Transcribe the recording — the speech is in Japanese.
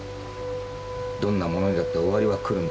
どんなものにだって終わりは来るんだから。